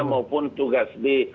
maupun tugas di